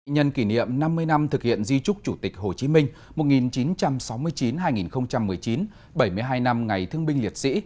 nhân kỷ niệm năm mươi năm thực hiện di trúc chủ tịch hồ chí minh một nghìn chín trăm sáu mươi chín hai nghìn một mươi chín bảy mươi hai năm ngày thương binh liệt sĩ